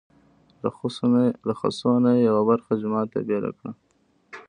له خسو نه یې یوه برخه جومات ته بېله کړه.